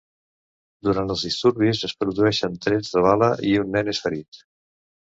Durant els disturbis es produeixen trets de bala i un nen és ferit.